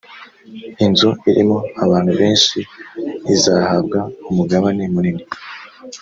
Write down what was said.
inzu irimo abantu benshi, izahabwa umugabane munini.